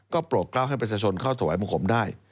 ก็โปรดกล้าวให้ประชาชนเข้าถวายบังคมได้